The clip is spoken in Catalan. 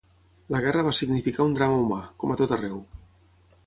La Guerra va significar un drama humà, com a tot arreu.